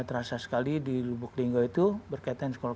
terasa sekali di lubuk linggau itu berkaitan sekolah